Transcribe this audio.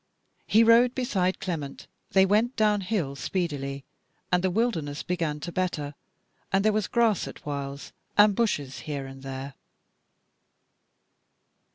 He rode beside Clement; they went downhill speedily, and the wilderness began to better, and there was grass at whiles, and bushes here and there.